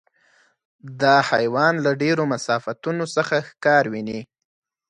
دا حیوان له ډېرو مسافتونو څخه ښکار ویني.